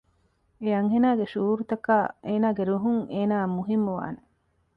އެ އަންހެނާގެ ޝުޢޫރުތަކާއި އޭނާގެ ރުހުން އޭނާއަށް މުހިންމުވާނެ